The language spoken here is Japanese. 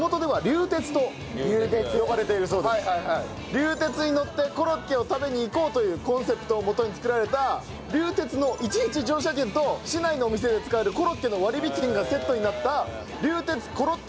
「竜鉄に乗ってコロッケを食べに行こう！」というコンセプトのもとに作られた竜鉄の１日乗車券と市内のお店で使えるコロッケの割引券がセットになった「竜鉄コロッケ☆